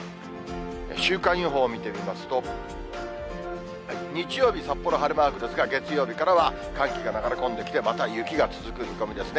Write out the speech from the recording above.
週間予報を見てみますと、日曜日、札幌晴れマークですが、月曜日からは寒気が流れ込んできて、また雪が続く見込みですね。